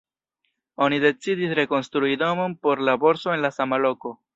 Oni decidis rekonstrui domon por la borso en la sama loko.